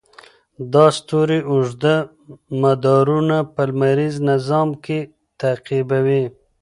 دا ستوري اوږده مدارونه په لمریز نظام کې تعقیبوي.